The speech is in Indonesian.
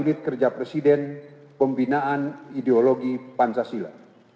unit kerja presiden pembinaan ideologi pancasila